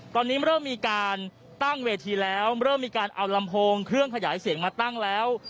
ตอนนี้เริ่มมีการตั้งเวทีแล้วเริ่มมีการเอาลำโพงเครื่องขยายเสียงมาตั้งแล้ว